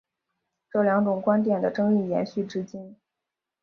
这两种观点的争议延续至今。